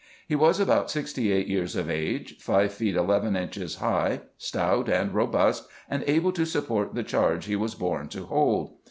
He was about sixty eight years of age, five feet eleven inches high, stout and robust, and able to support the charge he was born to hold.